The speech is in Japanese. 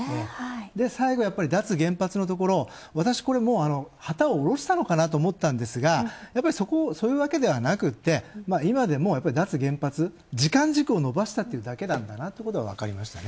最後、脱原発のところ私、旗を下ろしたのかなと思ったんですが、やっぱり、そういうわけではなく今でも脱原発、時間軸を延ばしたというだけなんだなということが分かりましたね。